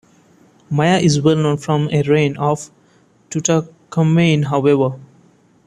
Maya is well known from the reign of Tutankhamen however.